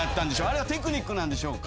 あれはテクニックなんでしょうか。